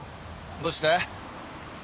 どうした？